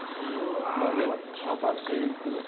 まあ要はチャーターして行くのに近い形。